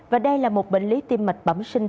và đây là một bệnh lý tim mạch bẩm sinh